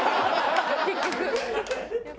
結局。